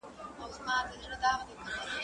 کېدای سي شګه ناپاکه وي؟!